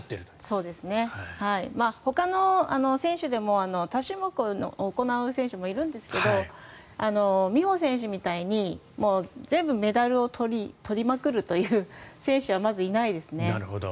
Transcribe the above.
ほかの選手でも多種目を行う選手もいるんですが美帆選手みたいに全部メダルを取りまくるという選手はまずいないですね。